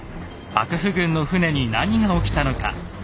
幕府軍の船に何が起きたのか。